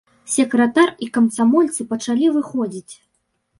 Сакратар і камсамольцы пачалі выходзіць.